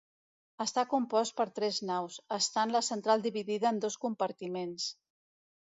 Està compost per tres naus, estant la central dividida en dos compartiments.